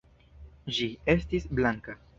Ĝi estis blanka.